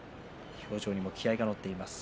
表情に気合いが乗っています。